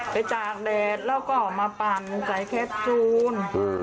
ไปจักรแดดแล้วก็เอามาปั่นใส่แคปซูล